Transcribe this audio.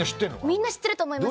みんな知ってると思います。